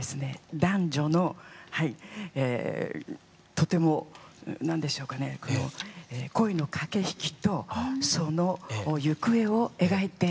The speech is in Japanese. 男女のとても何でしょうかね恋の駆け引きとその行方を描いているんですね。